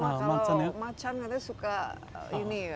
kalau macan katanya suka ini